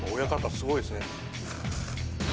すごいですね。